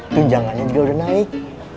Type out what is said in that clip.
tunjangannya juga udah naik